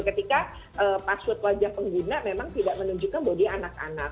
ketika password wajah pengguna memang tidak menunjukkan bahwa dia anak anak